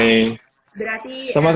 terima kasih mbak may